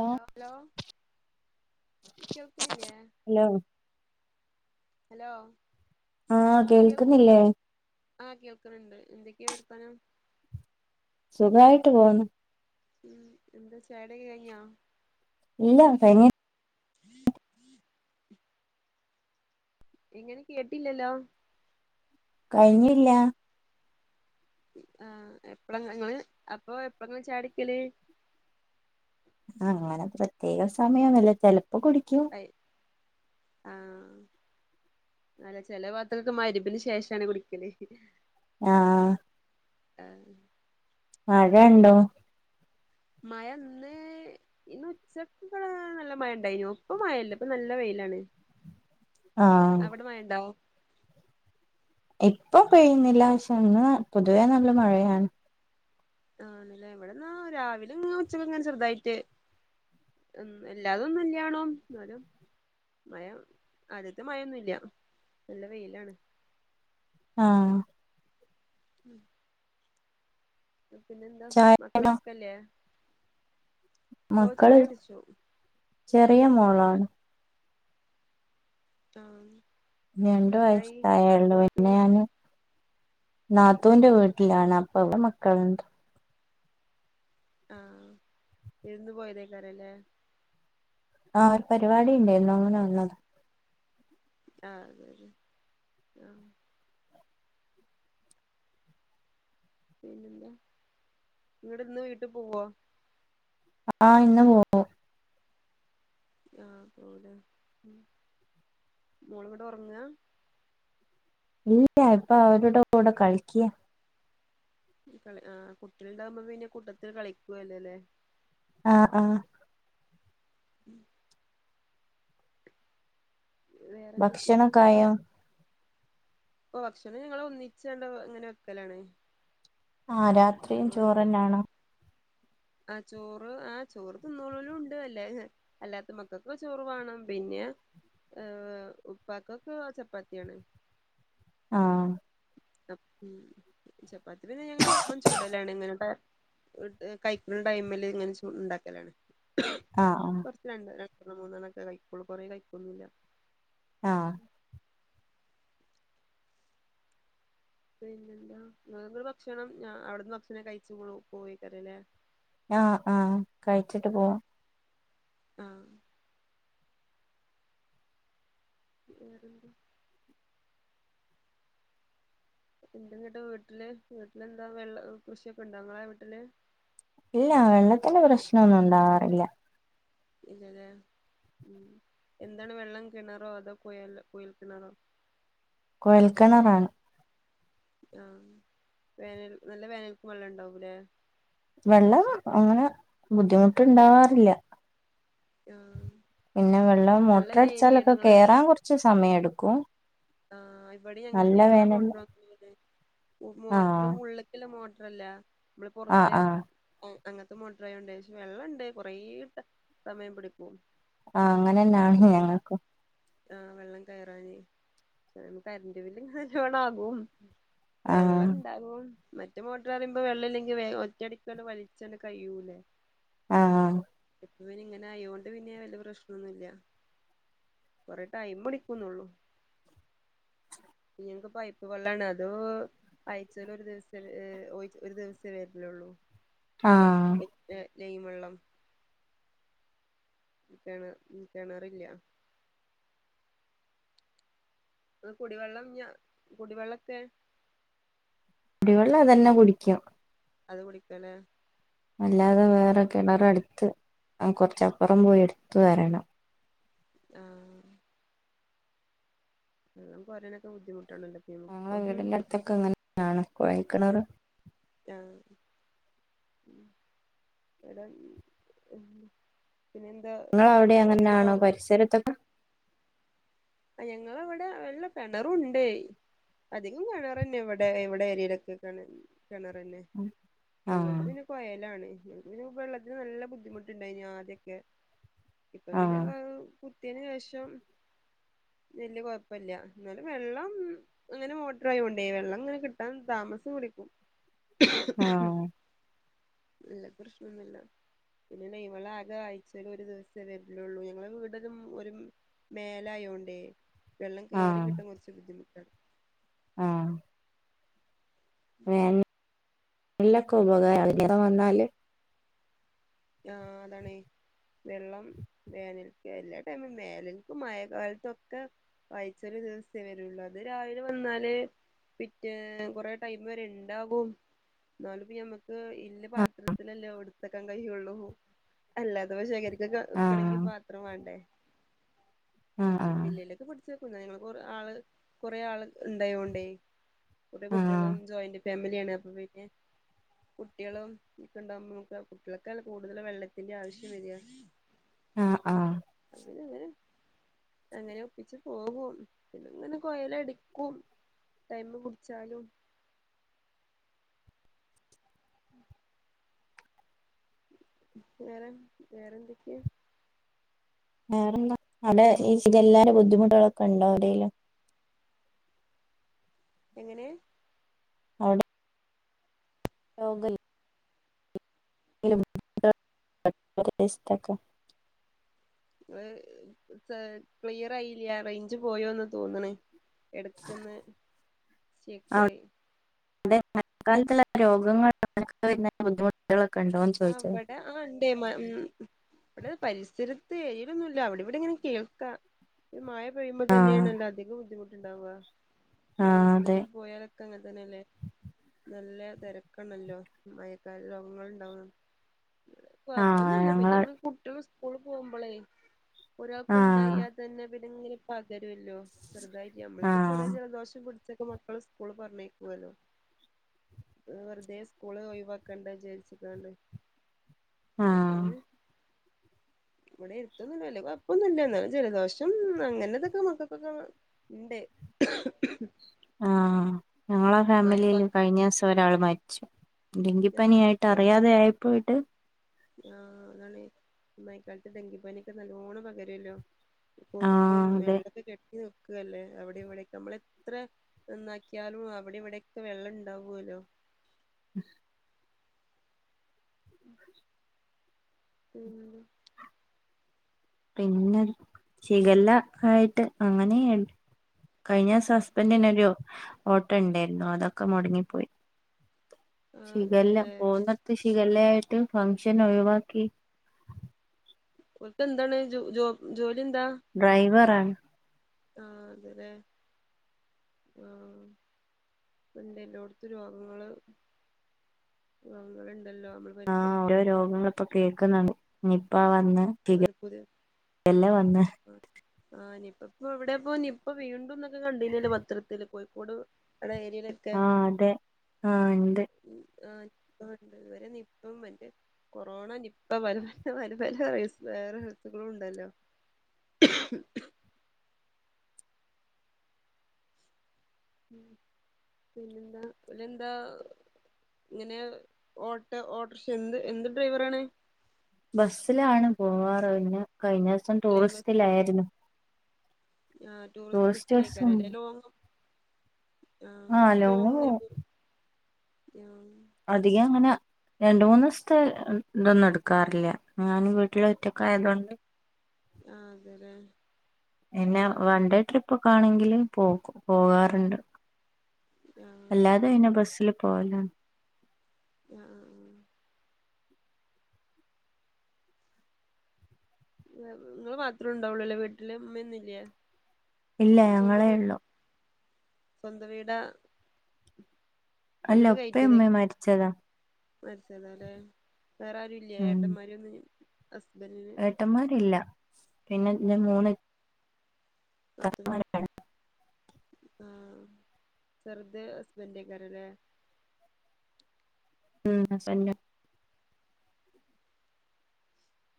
Hala hello കേൾക്കണില്ലേ hello hello ആഹ കേൾ കേൾക്കുന്നില്ലേ കീർത്തനം സുഖായിട്ട് പൊന്ന് ഉം എന്താ ചായിടിയോക്കെ കഴിഞ്ഞോ ഇല്ല കഴിഞ്ഞില്ലാ [unintelligible] ഇങ്ങനെ കേട്ടില്ലല്ലോ കഴിഞ്ഞില്ല ആഹ എപ്പഴാ ഞങ്ങള് അപ്പൊ എപ്പഴാ നിങ്ങള് ചായുടിക്കല് അങ്ങനെ പ്രത്യേക സമയംന്നില്ല ചിലപ്പോ അയ് ആഹ അല്ല ചെല ഭാഗത്തൊക്കെ മരപ്പിന് ശേഷാണ് കുടിക്കല് ആഹ ഉഹ [unintelligible] മഴ ഉണ്ടോ മഴ ഇന്ന് ഉച്ചക്ക് നല്ല മഴ ഇണ്ടായിന ഇപ്പം മഴയില്ല ഇപ്പൊ നല്ല വെയിലാണ് ആഹ് അവിടെ മഴ ഉണ്ടോ ഇപ്പൊ പെയ്യുന്നില്ല പക്ഷെ ഇന്ന് പൊതുവേ നല്ല മഴയാണ് ആണല്ലേ എവിടെന്നാ രാവിലെ ഉച്ചക്ക് എങ്ങനെ ചെറുതായിട്ട് എല്ലാതൊന്നും ഇല്ലണോ എന്നാലും മഴ ആദ്യത്തെ മഴയൊന്നും ഇല്ല നല്ല വെയിലാണ് ആഹ ഉം പിന്നെന്താ ചായ മക്കളൊക്കെല്ലേ ഓ മക്കള് ചായ കുടിച്ചു ചെറിയ മോളാണ് ആഹ രണ്ടു വയസത്തായേള്ളു മോൾക്ക് എന്നെയാണ് നാത്തൂന്റെ വീട്ടിലാണ് അപ്പൊ ഇവിടെ മക്കളുണ്ട് ആഹ ഇരുന്ന് പോയതേക്കറല്ലേ ആഹ ഒരു പരിപാടി ഉണ്ടായിരുന്നു അങ്ങനെ വന്നതാ ആ പിന്നെ നിങ്ങടെ ഇന്ന് വീട്ടിൽ പോവും ആഹ ഇന്ന് പോവും. [unintelligible] മോളഇവിടെ ഉറങ്ങ? ഇല്ല ഇപ്പൊ അവരുടെ കൂടെ കളിക്കാ. ആ കുട്ട ഉണ്ടാകുമ്പോ പിന്നെ കൂട്ടത്തിൽ കളിക്കുവല്ലോ അല്ലെ? ആഹ ആഹ. ഉം [unintelligible] വേറെന്തൊക്കെയാ ഭക്ഷണക്കായോ? ഓ ഭക്ഷണം ഞങ്ങള് ഒന്നിച്ചു ഇങ്ങനെ വെക്കലാണേ. ആഹ രാത്രിയും ചോറ് തന്നെ ആണോ? ആ ചോറ് ആ ചോറ് തിന്നളലും ഉണ്ട് അല്ലേ അല്ലാത്ത മക്കൾക്ക് ചോറ് വേണം. പിന്നെ ഉപ്പാക്കൊക്കെ ചപ്പാത്തിയാണ്. ആഹ. ചപ്പാത്തി പിന്നെ ഞങ്ങ അപ്പം ചൂടലാണ് ഇങ്ങനെ കഴിക്കുന്ന ടൈമില് ഇങ്ങനെ ഉണ്ടാക്കലാണ്. [unintelligible] ആഹ് മൂന്നണൊക്കെ കഴിക്കൊള്ളു കുറേ കഴിക്കൊന്നുല്ല. ആഹ. പിന്നെന്താ, നിങ്ങള് ഭക്ഷണം അവിടുന്ന് ഭക്ഷണം കഴിച്ചു ഇങ്ങള് പോവയ്ക്കാരല്ലേ? ആഹ ആഹ കഴിച്ചിട്ട് പോവും. ആഹ. വേറെൻത് [unintelligible] നിങ്ങടെ വീട്ടില് എന്താ വല്ല കൃഷിയൊക്കെ ഉണ്ടോ നിങ്ങടെ വീട്ടില്? ഇല്ല വെള്ളത്തിന്റെ പ്രശ്നമൊന്നും ഉണ്ടാകാറില്ല. ഇല്ലല്ലേ? ഉം. എന്താണ് വെള്ളം കിണറോ അതോ കുയ കുയൽ കിണറോ? കോഴൽക്കണറാണ്. ആഹ വേനൽ നല്ല വേനൽക്കും വെള്ളം ഉണ്ടാവുല്ലേ? വെള്ളം അങ്ങനെ ബുദ്ധിമുട്ട് ഉണ്ടാവാറില്ല. ആ. പിന്നെ വെള്ളം മോട്ടർ അടിച്ചാലൊക്കെ കേറാൻ കുറച്ച് സമയം എടു ക്കോ ആ ഇവിടെ ഞങ്ങ ഞങ്ങള മോട്ടർ വെക്കുന്നത്. ആഹ് മോട്ടറ് ഉള്ള്ക്കില്ല മോട്ട അല്ല. നമ്മള് ആഹ് പുറത്തെ ആഹ് ഉം. അങ്ങനത്തെ മോട്ടറായോണ്ട് പക്ഷെ വെള്ളണ്ട് കൊറേ ഇട്ട സമയം പിടിക്കും. ആ അങ്ങനെന്നാണ് ഞങ്ങൾക്കും. ആ വെള്ളം കയറാനേ കറന്റ് ബില്ലും നല്ലവോണം ആകും. ആഹ് വെള്ളം ഇണ്ടാകും. മറ്റേ മോട്ടർ ആകുമ്പോ വെള്ളമില്ലെങ്കിൽ ഒറ്റയടിക്ക് വലിച്ചെടുക്കാർ കഴിയൂലേ? ആ ആ. ഇവനിങ്ങനായോണ്ട് പിന്നെ വല്യയ പ്രശ്നൊന്നുല്ല. കുറെ ടൈം പിടിക്കുന്നൊള്ളു. ഞങ്ങക്ക് പൈപ്പ് വെള്ളാണ്, അതോ ആഴ്ചയിൽ ഒരു ദിവസ ഒരു ദിവസേ വരിനൊള്ളൂ. ആഹ് നെയ്യ് വെള്ളം കെണ് കെണറില്ല ഇങ്ങ [unintelligible] കുടിവെള്ളം ഞ കുടിവെള്ളക്ക കുടിവെള്ളം അതന്നെ കുടിക്ക അത് കുടിക്കലെ അല്ലാതെ വേറെ കിണറടു ത് അ കൊറച്ചപ്പുറം പോയി എടുത്തു വരണം ആഹ് വെള്ളം കുറണാക്കെദ്ധിുട്ട് ങ്ങളെ വീടിന്റെ അടുത്തൊക്കെ എങ്ങനൊണ് [unintelligible] കെണറ് ആ ഉ എടാ [unintelligible] ഇങ്ങളവിടി അങ്ങനെന്നാണോ പരിസരത്തൊക്കെ ഞങ്ങള വെടെ [unintelligible] ള്ള കിണറുണ്ടേ അധികം കെണറ്ന്നെ ഇവിടെ ഇവിടെ ഏരിയിലൊക്കെ കിണ കിണർ അല്ലേ ഞങ്ങൾത് ആഹ് പിന്നെ കൊയലാണ് ഇ [unintelligible] വെള്ളത്തിന് നല്ല ബുദ്ധിമുട്ടുണ്ടായിന് ആദ്യൊക്കെ ഇപ്പൊ പിന്നെ ആഹ് കഹ് കുത്ത്യേന് ശേഷം വല്ല്യ കൊഴപ്പില്ല എന്നാലും വെള്ളം അങ്ങനെ മോട്ടർ ആയോണ്ടേ വെള്ളം ഇങ്ങനെ കിട്ടാൻ താമസം പിടിക്കും ആഹ് അല്ല പ്രശ്നൊന്നുല്ല പിന്നെ ലൈൻവളാകെ [unintelligible] ആഴ്ച്ചേല് ഒരു ദിവസേ വര് ലൊള്ളൂ ഞങ്ങള വീട [unintelligible] ഒരു മേല് ല്ലായോണ്ട് [unintelligible] വെള്ളം കേറി ആഹ് കിട്ടും കൊറ്ച്ച് ബുദ്ധിമുട്ട് ആഹ് വെൻ എല്ലൊക്ക ഉപകാര [unintelligible] വന്നാല് ആഹ് അതാണെ വെളളം വേനൽക്ക് വേനൽക്ക മയകാലതും ഒക്കെ ആഴ്ചേൽ ഒരു ദിവസേ വരുള്ളൂ അത് രാവിലെ വന്നാല് പിറ്റേ കുറേ ടൈം വരെ ഇണ്ടാകും നാലും പ്പനമ്മക്ക് ഇല്ല പാത്രത്തിലല്ലേ എട്ത്തെക്കാൻ കയ്യൂ ള്ളു അഉ അല്ലാത ശേഖരിക്ക ഇത് വിക്കണമെങ്കി ആഹ് പാത്രം വേണ്ടേ ആഹ് പി ആഹ് പില്ല്യലൊക്കെ പൊ [unintelligible] കൊറേ ആള് കൊറെേ ആൾ ഇണ്ടായോണ്ടേ ഒട [unintelligible] ആഹ് കുട്ട്യേളും ജോയിന്റ് ഫാമിലിയാണ് അപ്പൊ പിന്നെ കുട്ട്യേളും ഒക്കെ ഉണ്ടാകുമ്പോ മ്മക് കുട്ടി ളെ ക്കൽ [unintelligible] കൂടുതലു വെള്ളത്തിന്റെ ആവശ്യം വര ആഹ് ആഹ് അങ്ങനെ അങ്ങനെ ഒപ്പിച്ച് പോകും പിന്നങ്ങനെ കൊയല ടിക്കും ടൈമ് പുട്ച്ചാലും വേറെ വേറെന്തൊക്കെയ വേറെന്താഅവിടെ ഇത് എല്ലാരും ബുദ്ധിമുട്ടുകളൊക്കെ ഉണ്ടോഔടേലും [unintelligible] എങ്ങനെ ആണ് ലോഗൽ [unintelligible] ക്ലിയർ ആയില്ല റേഞ്ച് പോയോന്ന് തോന്ന്ണ് എടക്കൊന്ന് സ്റ്റക്കായി വ്ടെ മഴക്കാലത്തുള്ള രോഗങ്ങൾ [unintelligible] ഉണ്ടോന്ന് ആ ചോദിച്ചത് വ്ടെ ആ ഉണ്ടേ മ് ഇവിടെ പരിസരം പേരൊന്നുമില്ല ഇല്ല അവിടെ ഇവിടെ ഇങ്ങനെ കേൾക്കാം ഒരു മഴ പെയ്യുമ്പോ ആഹ് തന്നേയാണല്ലോ അധികം ബുദ്ധിമുട്ട് ഇണ്ടാവൃ നമ്മളീ ആഹ് അതെ ഹോസ്പിറ്റലി പോയാലൊക്കെ അങ്ങനെ തന്നെയല്ലേ നല്ല തെരക്കണല്ലോ മയക്കാല രോഗങ്ങള് ഇണ്ടാവും ആഹ് കൊഴപ്പൊന്നും ഇല്ല ഞങ്ങള പിന്നെ നമ്മള് കുട്ടികള് സ്കൂളിപോകുമ്പളേ ഒരാക്ക് ഇണ്ടായി ആഹ് അതന്നെ പി ഇങ്ങനെ പകരുവല്ലോ ചെുതായിട്ട് ഞമ്മളിപ്പോ ആഹ് ചെറിയ ജലദോശം പിടി ഉച്ചക്ക് മക്കള് സ്കൂളിൽ പറഞ്ഞയക്കണമല്ലോ വെറുതെ സ്കൂള് ഒഴിവാക്കണ്ട വിചാരിച്ചാണ് ആഹ് ഇതെപ്പങ്ങനെ ഇവിടെ എടുത്തൊന്നും വല്ലകൊയപ്പൊന്നല്ലൃന്ന് ജലദോഷം അങ്ങനെതൊക്കെ മക്കക്കൊക്കെ ഉണ്ട് ആ ഞങ്ങളെ മഴ ഫാമിലിയിയില് കഴിഞ്ഞീസം ഒരാൾ മരി ച്ചു ഡെങ്കിപ്പനിയായിട്ട് അറിയാതെ ആയിപ്പോയിട്ട് ആ അതാണ് മയക്കാലത്ത് ഡെങ്കിപനിക്കെ നല്ലോണം പകരോല്ലോ കൊതുകും ആഹ് അതെ വെള്ളക്കെകെട്ടി നോക്കുവല്ലേ അവിടെ ഇവിടെക്കെ നമ്മള എത്ര നന്നാക്കിയാലും അവിടെ ഇവിടെക്കെ വെള്ളം ഇണ്ടാവല്ലോ [inaudible] [inaudible] ഉം പിന്നെ ചിഗല്ല ആയിട്ട് അങ്ങനെയായി കഴിഞ്ഞിസം സസ്പെൻഡിനരു ഓട്ടം ഉണ്ടായിരുന്നു അതൊക്കെ മൊടങ്ങിപ്പോയി ആഹ് ഷിഗല്ല അതെല്ലേ പോന്നടുത്ത് ഷിഗല്ലായിട്ട് ഫംഗ്ഷൻ ഒഴിവാക്കി ഓൽക് എന്താണ് ജോ ജോലി ഡ്രൈവറാ [inaudible] ആ അത് ലേ ആ ഇപ്പണ്ട് എല്ലോട്തും രോഗങ്ങള് രോഗങ്ങളുൻ ആഹ് ഓരോ രോഗങ്ങള് ഇപ്പൊ കേൾക്കുന്ന്ണ്ട് നിപ്പ നിപ്പ വന്ന് ഏതാനും പുതിയ ഷിഗല്ല വന്ന് എവിടെ പോ നിപ്പ വീണ്ടും ക്കെ കണ്ടീന്യല്ലോ പത്രത്തിൽ കോഴി കോട് ഇവിടെ ഏരിയിലൊക്കെ ആഹ് അതെ ആഹ് ഇണ്ട് ആ ണ്ട് ഇതുവരെ നിപ്പം മറ്റേ കൊറോണ നിപ്പ പ്പലല പല പല വേറെ ഹത്ത്കളും ഉണ്ടല്ലോ പിന്നെന്താ ഓലെന്താ ഇങ്ങനെ ഓട്ടോ ഓട്ടർഷൻ്റെ എന്ത് എന്ത് ഡ്രൈവറാണ് ബസ്സിലാണ് പോവാർ പിന്നെ കഴിഞ്ഞ ദിസം ടൂറിസ്റ്റിലായിരുന്നു ആ ടൂറിസ്റ്റ് ബസ്സിലേക്കാരല്ലേ ലോങ്ങും ആ ലോങ് ങ്ങനെ പോവും ആഹ് അധികം അങ്ങനെ രണ്ട് മൂന്ന് ദിവസത്തെ ഇതൊന്നും എടുക്കാറില്ല ഞാൻ വീട്ടിൽ ഒറ്റക്കായതൊണ്ട് ആ അതെലെ എന്നെ വൺഡേ ട്രിപ്പ് ഒ ക്കാണെങ്കില് പോകും പോകാറ്ണ്ട് ആഹ് അല്ലാതെ പിന്നെ ബസില് പോവലാണ് അഅ ആഹ് നിങ്ങള് മാത്രം ഉണ്ടാവുള്ളൂല്ലേ വീട്ടിൽ ഇമ്മ്യന്നുല്ലേ ഇല്ല ഞങ്ങളേ ഉള്ളൂ സ്വന്തം വീടാ അല്ല വീട് ഉപ്പയും കയറ്റിയതെ ഉമ്മയും മരിച്ചതാ മരിച്ചതാല്ലെ വേറെ ആരും ഇല്ലേഏട്ടന്മാര ഒന്നും ഏട്ടമാര് ഇല്ല പിന്നെ ഇല്ലെ മൂന്ന് അതും ഇത്താത്തമാരാണ് ആഹ് ചെറുത് ഹസ്ബൻന്റെക്കാരല്ലേ ഉം തന്നെ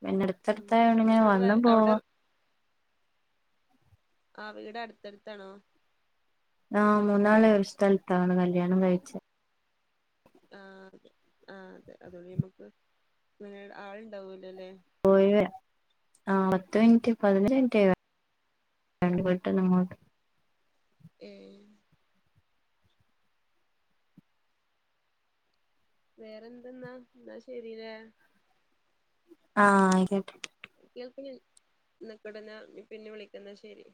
പിന്നെ ഉം അടുത്തടുത്തായോണ്ടിങ്ങനെ അവിടെ വന്നും അവിടെ പോവാ ആ വീട് അടുത്തടുത്താണോ ആഹ മൂന്നാളെ ഒരു സ്ഥലത്താണ് കല്യാണം കഴിച്ച് ആ അതെ ആ അതെ അതോടെ നമ്മുക്ക് ഇങ്ങനെ ആളുണ്ടാവൂല്ലോല്ലെ പോയി ആ പത്ത് മിനിറ്റ് പതിനഞ്ച് മിനിറ്റ് വീട്ടീന്ന് അങ്ങോട്ട് എഏ വേറെന്തെന്നാ എന്നാ ശരില്ലേ ആഹ ആയിക്കോട്ടെ ചിലപ്പോ ഞാൻ നിക്കടുന്ന പിന്നെ വിളിക്കുന്ന ശെരി